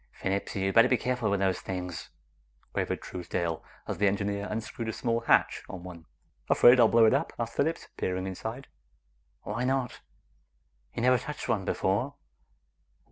"Phillips, you better be careful with those things!" quavered Truesdale as the engineer unscrewed a small hatch on one. "Afraid I'll blow it up?" asked Phillips, peering inside. "Why not? You never touched one before."